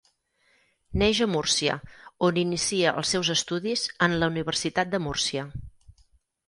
Neix a Múrcia, on inicia els seus estudis en la Universitat de Múrcia.